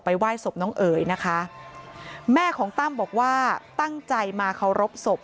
ไหว้ศพน้องเอ๋ยนะคะแม่ของตั้มบอกว่าตั้งใจมาเคารพศพ